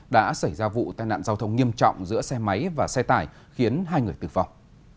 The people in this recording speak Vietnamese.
đã xảy ra vụ tai nạn giao thông nghiêm trọng giữa xe máy và xe tải khiến hai người tử vong